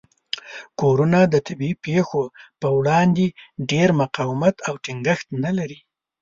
کورونه د طبیعي پیښو په وړاندې ډیر مقاومت او ټینګښت نه لري.